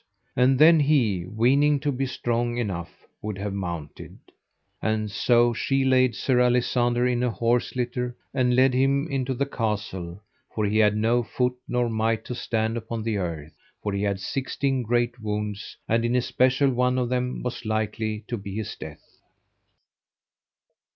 And then he, weening to be strong enough, would have mounted. And so she laid Sir Alisander in an horse litter, and led him into the castle, for he had no foot nor might to stand upon the earth; for he had sixteen great wounds, and in especial one of them was like to be his death.